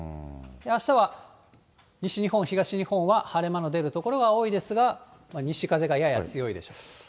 あしたは西日本、東日本は晴れ間の出る所が多いですが、西風がやや強いでしょう。